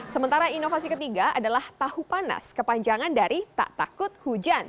sementara inovasi ketiga adalah tahu panas kepanjangan dari tak takut hujan